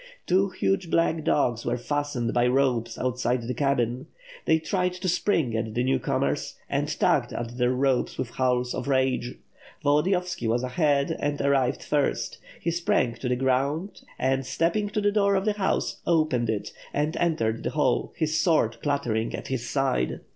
Two huge black dogs were fastened by ropes outside the cabin. They tried to spring at the new comers, and tugged at their opes with howls of rage. Volo diyovski was ahead and arrived first. He sprang to the ground and, stepping to the door of the house, opened it, and entered the hall, his sword clattering at his side.